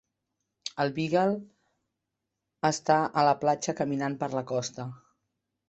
El beagle està a la platja caminant per la costa